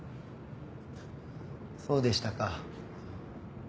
そうでしたか。